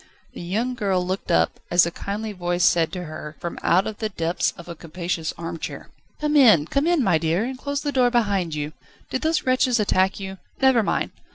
The young girl looked up, as a kindly voice said to her, from out the depths of a capacious armchair: "Come in, come in, my dear, and close the door behind you! Did those wretches attack you? Never mind.